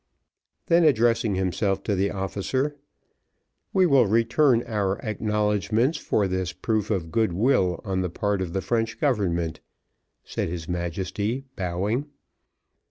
Then addressing himself to the officer, "We will return our acknowledgments for this proof of good will on the part of the French government," said his Majesty, bowing.